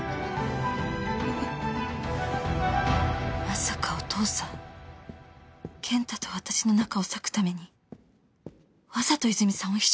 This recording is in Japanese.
まさかお父さん健太と私の仲を裂くためにわざと泉さんを秘書に？